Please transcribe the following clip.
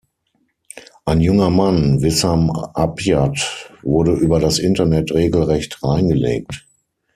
Ein junger Mann, Wissam Abyad, wurde über das Internet regelrecht reingelegt.